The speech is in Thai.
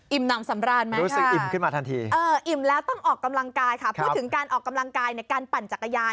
อิ่มน้ำสำราญไหมค่ะอิ่มแล้วต้องออกกำลังกายค่ะพูดถึงการออกกำลังกายในการปั่นจักรยาน